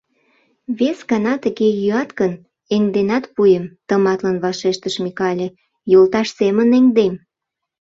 — Вес гана тыге йӱат гын, эҥденат пуэм, — тыматлын вашештыш Микале. — йолташ семын эҥдем.